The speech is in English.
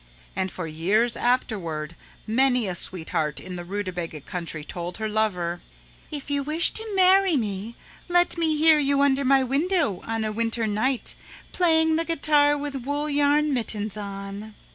And for years afterward many a sweetheart in the Rootabaga Country told her lover, "If you wish to marry me let me hear you under my window on a winter night playing the guitar with wool yarn mittens on."